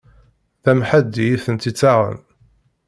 D amḥaddi itent-ittaɣen!